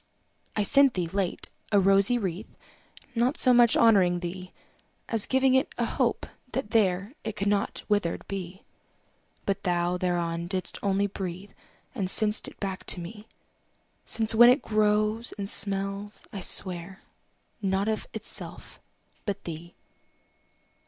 I sent thee, late, a rosy wreath, Not so much honouring thee, As giving it a hope, that there It could not withered be. But thou thereon didst only breathe, And sent'st back to me: Since when it grows, and smells, I swear, Not of itself, but thee.